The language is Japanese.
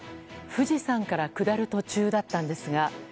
富士山から下る途中だったんですが。